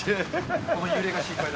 この揺れが心配だ。